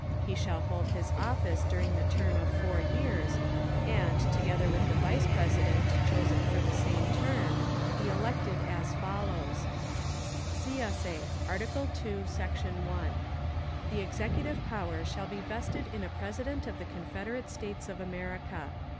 He shall hold his Office during the Term of four Years, and, together with the Vice President, chosen for the same Term, be elected, as follows: [CSA] ARTICLE II. [CSA] Section 1. The executive Power shall be vested in a President of the Confederate States of America.